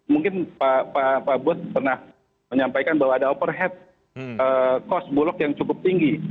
mungkin pak bus pernah menyampaikan bahwa ada overhead cost bulog yang cukup tinggi